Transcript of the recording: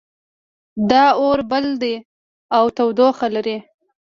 دا اور بل ده او تودوخه لري